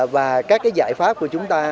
và các giải pháp của chúng ta